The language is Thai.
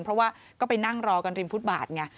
เพราะว่าก็ไปนั่งรอกันริมฟุตบาทไง